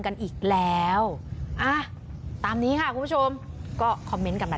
กันอีกแล้วอ่ะตามนี้ค่ะคุณผู้ชมก็คอมเมนต์กันมา